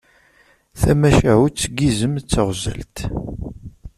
Tamacahut n yizem d teɣzalt.